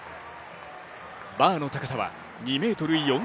バーの高さは２ｍ４ｃｍに。